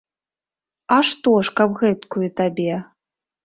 А што ж, каб гэткую табе.